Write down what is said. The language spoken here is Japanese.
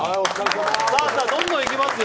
どんどんいきますよ。